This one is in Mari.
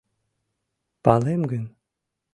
Палем гын...